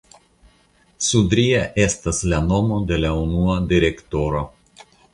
Sudria estas la nomo de la unua direktoro.